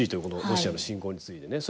ロシアの侵攻についてね